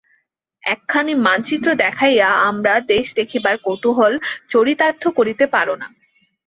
একখানি মানচিত্র দেখাইয়া আমরা দেশ দেখিবার কৌতূহল চরিতার্থ করিতে পার না।